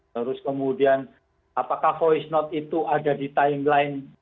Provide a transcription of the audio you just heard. terus kemudian apakah voice note itu ada di timeline